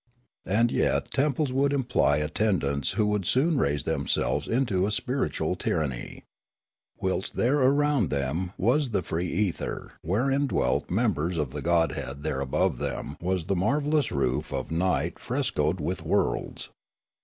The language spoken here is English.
And yet temples would imply attendants who would soon raise themselves into a spiritual tyranny. Whilst there around them was the free ether wherein dwelt members of the godhead ; 128 Riallaro there above them was the marvellous roof of night fres coed with worlds.